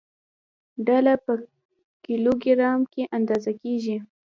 ډله په کیلوګرام کې اندازه کېږي.